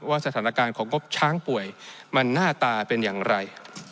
สถานการณ์ของงบช้างป่วยมันหน้าตาเป็นอย่างไร